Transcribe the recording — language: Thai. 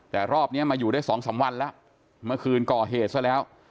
แต่รอบนี้มาอยู่ได้สองสามวันแล้วเมื่อคืนก่อเหตุซะแล้ว